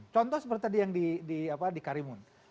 contoh seperti tadi yang di karimun